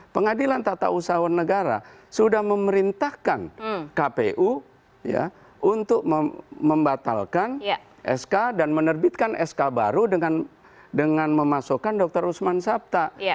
pengadilan tata usaha negara sudah memerintahkan kpu untuk membatalkan sk dan menerbitkan sk baru dengan memasukkan dr usman sabta